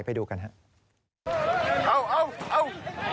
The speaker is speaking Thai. ไปดูกันครับ